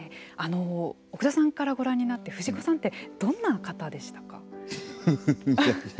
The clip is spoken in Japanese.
奥田さんからご覧になって藤子さんってどんな方でしたか。